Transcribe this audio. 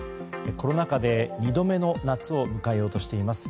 コロナ禍で２度目の夏を迎えようとしています。